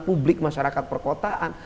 publik masyarakat perkotaan